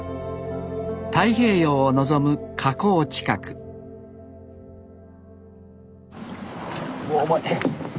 太平洋を望む河口近くうわ重い。